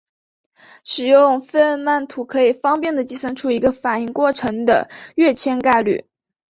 使用费恩曼图可以方便地计算出一个反应过程的跃迁概率。